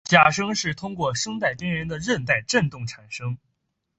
假声是通过声带边缘的韧带振动产生。